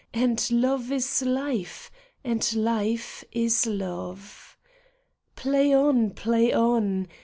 And love is life, and life is love. Play on ! Play on